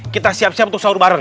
kita siap siap untuk sahur bareng